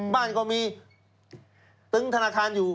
บ้านก็มีตึงธนาคารอยู่